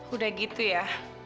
udah gitu ya